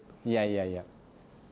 いやいやいや。